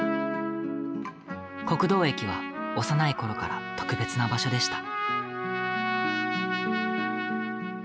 国道駅は幼いころから特別な場所でした。